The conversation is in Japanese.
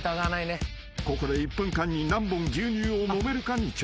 ［ここで１分間に何本牛乳を飲めるかに挑戦］